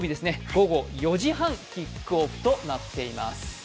午後４時半キックオフとなっています。